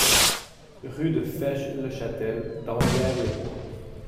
Rue de Fesches-le-Chatel, Dampierre-les-Bois